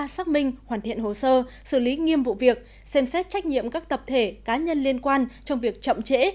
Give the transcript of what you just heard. xác minh hoàn thiện hồ sơ xử lý nghiêm vụ việc xem xét trách nhiệm các tập thể cá nhân liên quan trong việc chậm trễ